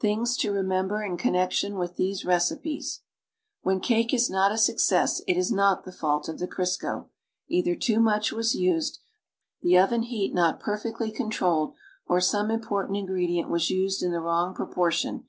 THINGS TO REMEMBER IN CONNECTION WITH THESE RECIPES TN'ben cake is nut a success, it is not the fault ol' llie Criscn. EiLbcr tuo much was u,sed, the oven heat not perfectly controlled or some important ingredient was used in the wrong proportion.